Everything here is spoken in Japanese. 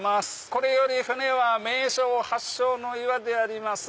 これより舟は名称発祥の岩であります